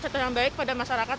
sesuatu yang baik pada masyarakat